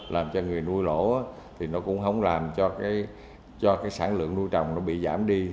làm cho người nuôi lỗ thì nó cũng không làm cho cái sản lượng nuôi trồng nó bị giảm đi